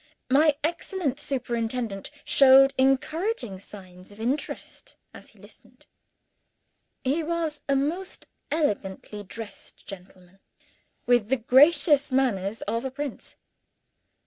My excellent superintendent showed encouraging signs of interest as he listened. He was a most elegantly dressed gentleman, with the gracious manners of a prince.